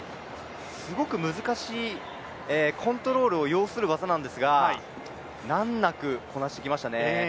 すごく難しい、コントロールを要する技なんですが、難なくこなしてきましたね。